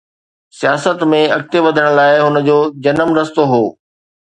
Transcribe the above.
سياست ۾ اڳتي وڌڻ لاءِ هن جو جنم رستو هو.